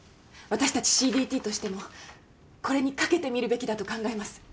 私たちＣＤＴとしてもこれに懸けてみるべきだと考えます。